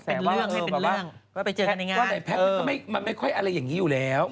แต่มันยังไม่ได้อยู่ด้วยกันอยู่แล้ว